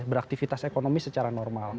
beraktivitas ekonomi secara normal